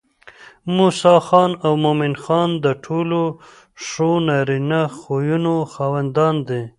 موسى خان او مومن خان د ټولو ښو نارينه خويونو خاوندان دي